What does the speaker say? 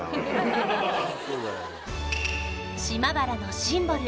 島原のシンボル